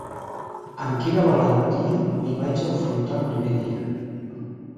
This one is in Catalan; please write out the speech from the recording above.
Amb quina valentia m'hi vaig enfrontar el primer dia.